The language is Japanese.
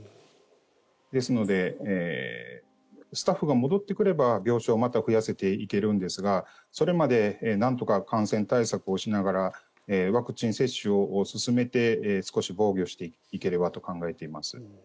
ですので、スタッフが戻ってくれば病床をまた増やせていけるんですがそれまでなんとか感染対策をしながらワクチン接種を進めて少し防御していければと考えています。